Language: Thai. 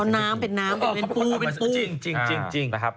เพราะน้ำเป็นน้ำเป็นปู